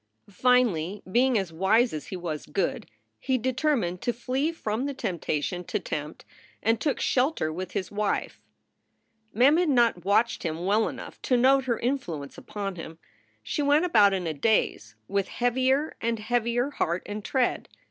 Finally, being as wise as he was good, he determined to flee from the temptation to tempt and took shelter with his wife. SOULS FOR SALE 155 Mem had not watched him well enough to note her influ ence upon him. She went about in a daze, with heavier and heavier heart and tread.